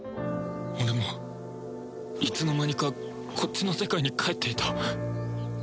俺もいつの間にかこっちの世界に帰っていた